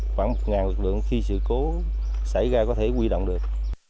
khoảng một lực lượng khi sự cố xảy ra có thể quy động được